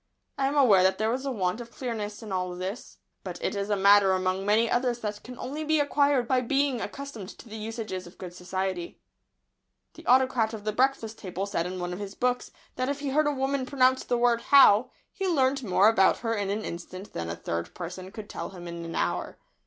I am aware that there is a want of clearness in all this, but it is a matter among many others that can only be acquired by being accustomed to the usages of good society. [Sidenote: The "Autocrat's" test word.] The Autocrat of the Breakfast table said in one of his books that if he heard a woman pronounce the word "How," he learned more about her in an instant than a third person could tell him in an hour.